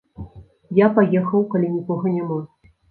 Я паехаў, калі нікога няма.